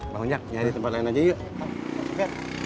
bang unjak nyari tempat lain aja yuk